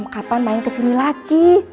kapan main kesini lagi